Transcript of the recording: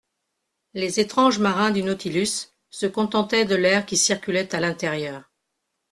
Les étranges marins du Nautilus se contentaient de l'air qui circulait à l'intérieur.